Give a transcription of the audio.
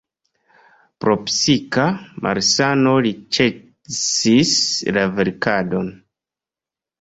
Pro psika malsano li ĉesis la verkadon.